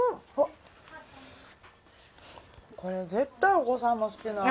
これ絶対お子さんも好きな味。